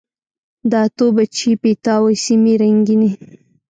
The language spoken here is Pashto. د اتو، بچي، پیتاو سیمي رنګیني